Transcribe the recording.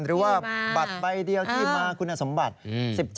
หรือว่าบัตรใบเดียวที่มาคุณสมบัติ